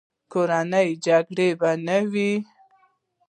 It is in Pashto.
کورنۍ جګړې به نه وې.